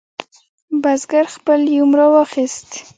بزګر خپل یوم راواخست.